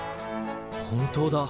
本当だ。